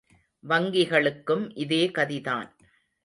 வங்கிகளுக்கும் இதே கதிதான்!